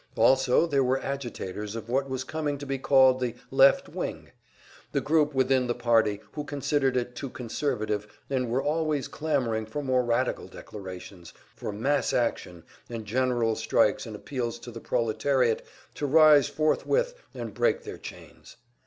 Also there were agitators of what was coming to be called the "left wing"; the group within the party who considered it too conservative, and were always clamoring for more radical declarations, for "mass action" and general strikes and appeals to the proletariat to rise forthwith and break their chains.